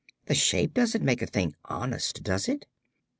"The shape doesn't make a thing honest, does it?"